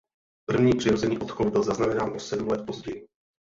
První přirozený odchov byl zaznamenán o sedm let později.